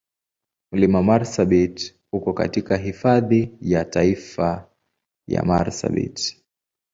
Mlima Marsabit uko katika Hifadhi ya Taifa ya Marsabit.